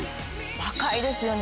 若いですよね